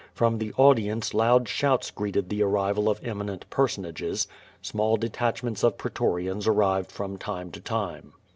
From the audience loud shouts greeted the arrival of eminent personages. Small detadimcnts of pretorians arrived from time to time.